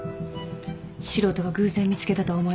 素人が偶然見つけたとは思えない。